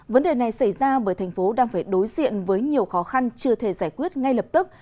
vấn đề này xảy ra bởi thành phố đang phải đối diện với nhiều khó khăn chưa thể giải quyết ngay lập tức